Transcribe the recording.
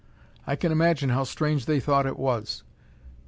I can imagine how strange they thought it was.